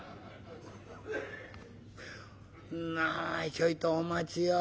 「お前ちょいとお待ちよ。